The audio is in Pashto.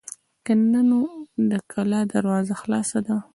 که نه نو د کلا دروازه خلاصه ده.